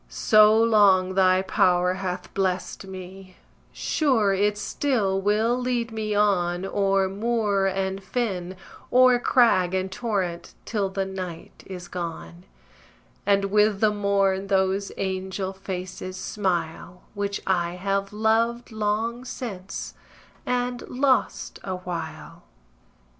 So long Thy power hath blest me, sure it still Will lead me on O'er moor and fen, o'er crag and torrent, till The night is gone, And with the morn those angel faces smile, Which I have loved long since, and lost a while.